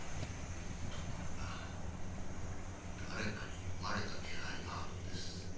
ところが誰かに読まれた気配があるんです。